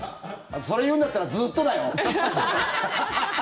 それ言うんだったらずっとだよ。